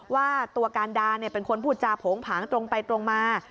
ว่าตัวการดาเป็นคนพูดจาโผงผางตรงไปตรงมา